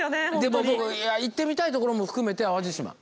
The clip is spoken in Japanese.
でももう行ってみたいところも含めて淡路島。